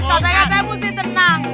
katanya saya mesti tenang